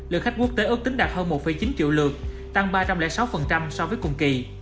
lượng khách quốc tế ước tính đạt hơn một chín triệu lượt tăng ba trăm linh sáu so với cùng kỳ